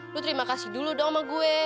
bu terima kasih dulu dong sama gue